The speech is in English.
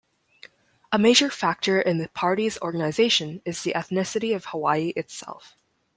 A major factor in the party's organization is the ethnicity of Hawaii itself.